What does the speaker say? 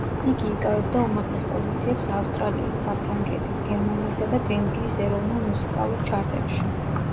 იგი იკავებდა უმაღლეს პოზიციებს ავსტრალიის, საფრანგეთის, გერმანიისა და ბელგიის ეროვნულ მუსიკალურ ჩარტებში.